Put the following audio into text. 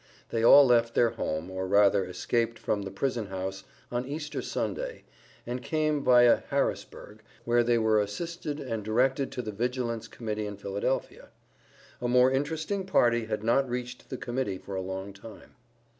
They all left their home, or rather escaped from the prison house, on Easter Sunday, and came viâ Harrisburg, where they were assisted and directed to the Vigilance Committee in Philadelphia. A more interesting party had not reached the Committee for a long time.